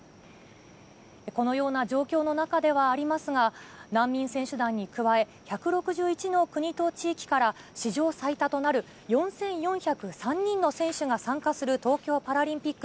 このような状況の中ではありますが、難民選手団に加え、１６１の国と地域から、史上最多となる４４０３人の選手が参加する東京パラリンピック。